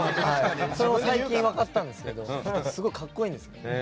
最近分かったんですけどすごい格好いいんですね。